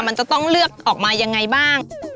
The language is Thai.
มันจะต้องเลือกออกมายังไงบ้าง